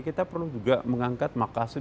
kita perlu juga mengangkat makassar